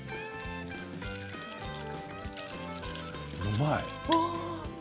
うまい。